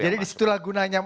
jadi disitulah gunanya